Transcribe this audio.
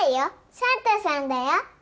サンタさんだよ！